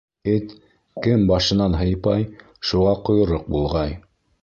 Эт, кем башынан һыйпай, шуға ҡойроҡ болғай.